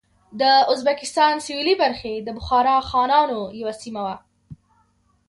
د ازبکستان سوېلې برخې د بخارا خانانو یوه سیمه وه.